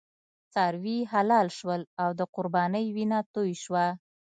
څاروي حلال شول او د قربانۍ وینه توی شوه.